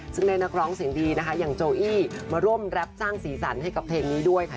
ซึ่งได้นักร้องเสียงดีนะคะอย่างโจอี้มาร่วมรับสร้างสีสันให้กับเพลงนี้ด้วยค่ะ